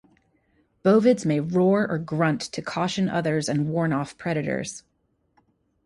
Bovids may roar or grunt to caution others and warn off predators.